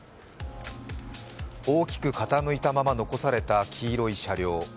大きく傾いたまま残された黄色い車両。